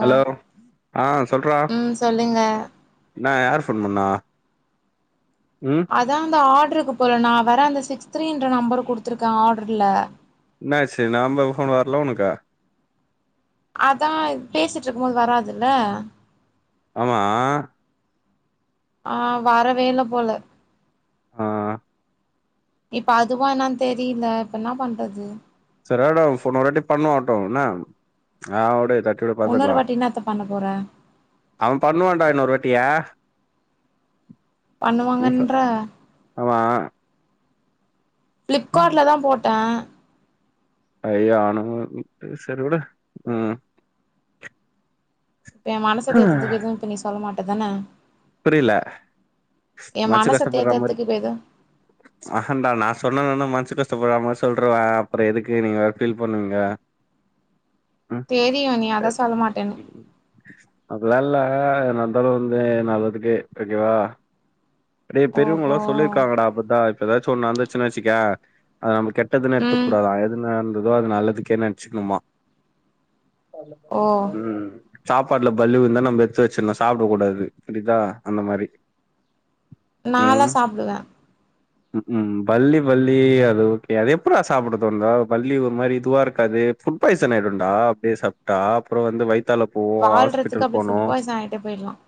Hello ஆ சொல்றா ம் சொல்லுங்க என்னா யார் ஃபோன் பண்ணா ம் அதா அந்த ஆட்ருக்கு போலனா வேற அந்த சிக்ஸ் த்ரீன்ற நம்பர் குடுத்திருக்க ஆட்ருல்ல என்னாச்சு நாம்ப ஃபோன் வர்ல உனக்கு அதா இது பேசிட்ருக்கும்போது வராதில்ல ஆமா ஆ வரவேல்ல போல ஆ இப்ப அதுவா என்னான்னு தெரில இப்ப என்னா பண்றது சரியாயிடு இன்னொருவாட்டி பண்னுவாட்டோ என்ன அ வுடு இன்னொருவாட்டி என்னாத்த பண்ண போற அவன் பண்ணுவான்டா இன்னொரு வாட்டிய பண்ணுவாங்கன்ற ஆமா ம். ஃப்ளிப்கார்ட்லதான் போட்டன் அய்யோ அவுனுங்க சரி விடு ம் என் மனச தேத்தர்துக்கு எதுவு இப்ப நீ சொல்ல மாட்டதான புரில மனசு மனச கஷ்டப்படற மாரி தேத்ததுக்கு இப்ப எதுவு அஹண்டா நா சொன்னானுனா மனசு கஷ்டப்படறா மாரி சொல்ட்ருவ அப்றோ எதுக்கு நீங்க வேற ஃபீல் பண்ணுவீங்க ம் தெரியு நீ அத சொல்ல மாட்டன்னு அப்டில்லா இல்ல என்ன இந்தாலு வந்து நல்லதுக்கே ஓகேவா டேய் ஓஹோ பெரியவங்கல்லா சொல்லியிருக்காங்கடா அப்பதா இப்ப எதாச்சு ஒன்னு நடந்துச்சுன்னா வெச்சிக்யே அது நம்ம கெ ட்டதுன்னு ம் எடுத்துக்கூடாதா எது நடந்ததோ அது நல்லதுக்கேன்னு நெனச்சுக்கணுமா ஓ ம் சாப்பாட்ல பல்லி விழுந்தா நம்ம எத்து வெச்சின்னு சாப்டக்கூடாது புரி தா அந்த மாரி நா எல்லா ம் சாப்டுவ ம் உ பல்லி பல்லி அது ஓகே அது எப்புட்ரா சாப்பிட தோணுது அது பல்லி ஒரு மாரி இதுவா இருக்காது ஃபுட் பாய்சன் ஆயிடுண்டா அப்டியே சாப்டா அப்புறோ வந்து வயித்தால போவோ ஹாஸ்பிட்டல் போனோ சாயிட்டப் போயிலாம்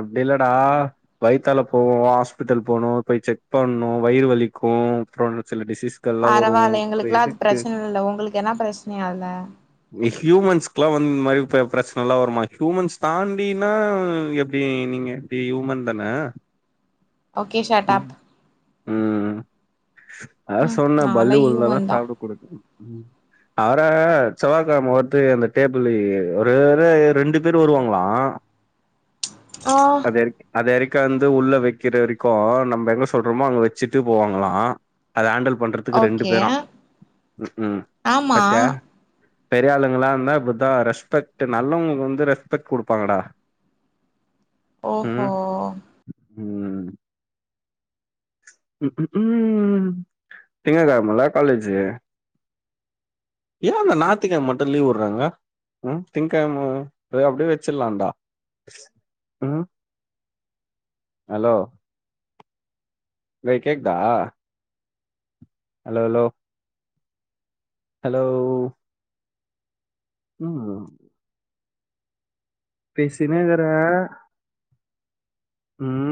அப்டி இல்லடா வயத்தால போவோம் ஹாஸ்பிட்டல் போணும் போய் செக் பண்ணும் வயிறு வலிக்கும் அப்புறம் சில டிசீஸ் பரவாயில்ல எங்ளுக்குக்கெல்லா அது ப்ரச்சன இல்ல உங்ளுக்கு என்னா ப்ரச்சனயா இல்ல ஹியூமன்ஸ்கு ல்லா வந்து இந்த மாரி ப் ப்ரச்சன ல்லாம் வருமா ஹியூமன்ஸ் தாண்டினா எப் ப்டி நீங்க எப்டி யூமன் தானே ஓகே ஷெட்டாப் ம் அதா ம் சொன்னேன் நாலா பல்லி உள்ளுந்தாலான் ஹியூமன் தா சாப்பிட கூடாதுனு அவற செவ்வாக்கெழமெ வருட்டுன் அந்த டேபிள் ஒரே ஒரு ரெண்டு பேரு வருவாங்களாம் ஆன் அத அத எறக்கியாந்து உள்ள வக்கிற வரி கோ நமம்ப எங்க சொல்றோமோ அங்க வச்சுட்டு போவாங்களான் அத ஹேண்டல் பண்ற துக்கு ரெண்டு ஓகே பேராம் ம் ம் ஆமா பாத்யா பெரிய ஆளுங்களா இருந்தா இப்பதான் ரெஸ்பெக்ட் நல்லவங்களுக்கு வந்து ரெஸ்பெக்ட் குடுப்பாங்கடா ஓஹோ ம் ம் உ உ ம் திங்கக்கெழமல காலேஜு ஏ அந்த நாத்துக்கெழம மட்டு லீவ் விட்றாங்க ம் திங்க்கெழம அது அப்டியே வச்சிடலான்லே ம் ஹலோ ஏ கேக்தா ஹலோ ஹலோ ஹலோவ் ம் பேசினேக்குற ம்